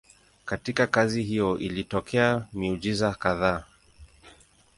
Katika kazi hiyo ilitokea miujiza kadhaa.